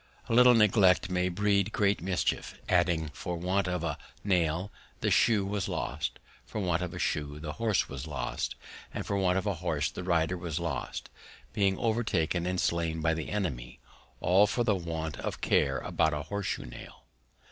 A little Neglect may breed great Mischief: adding, _for want of a Nail the Shoe was lost; for want of a Shoe the Horse was lost; and for want of a Horse the Rider was lost, being overtaken and slain by the Enemy; all for the want of Care about a Horse shoe Nail_.